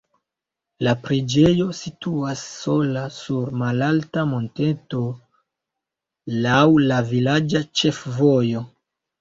La preĝejo situas sola sur malalta monteto laŭ la vilaĝa ĉefvojo.